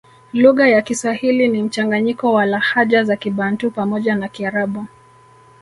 Lugha ya Kiswahili ni mchanganyiko wa lahaja za kibantu pamoja na kiarabu